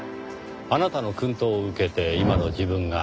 あなたの薫陶を受けて今の自分がある。